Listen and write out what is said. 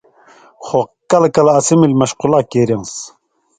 خو کلہۡ کلہۡ اسی ملی مشقلا کیریان٘س